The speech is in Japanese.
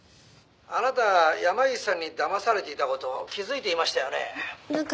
「あなた山岸さんにだまされていた事気づいていましたよね？」なんか